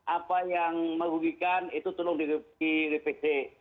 apa yang merugikan itu tolong direpece